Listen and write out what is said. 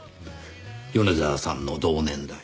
米沢さんの同年代。